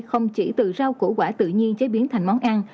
không chỉ từ rau củ quả tự nhiên chế biến thành món ăn